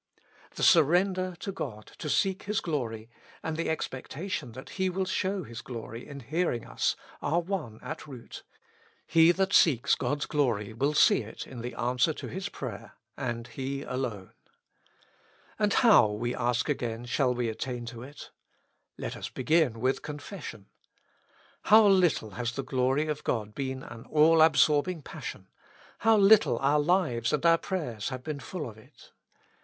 The surrender to God to seek His glory, and the expectation that He will show His glory in hear ing us, are one at root: He that seeks God's glory will see it in the answer to his prayer, and he alone. And how, we ask again, shall we attain to it ? Let II i6i With Christ in the School of Prayer. us begin with confession. How httle has the glory of God been an all absorbing passion ; how little our lives and our prayers have been full of it.